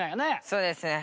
そうですね。